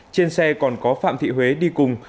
trên xe còn có phạm thị huế đi cùng